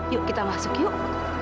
yuk kita masuk yuk